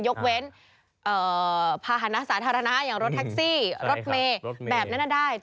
ยกเว้นภาษณะสาธารณะอย่างรถแท็กซี่รถเมย์แบบนั้นได้